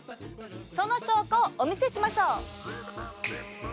その証拠をお見せしましょう。